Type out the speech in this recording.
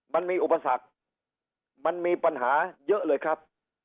มันมีอุปสรรคมันมีปัญหาเยอะเลยครับ